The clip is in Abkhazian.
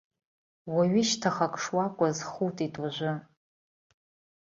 Уаҩы шьҭахак шуакәыз хутит ожәы!